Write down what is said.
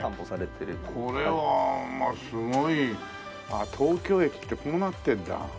あっ東京駅ってこうなってるんだ。